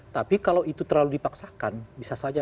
tapi kalau itu terlalu dipaksakan bisa saja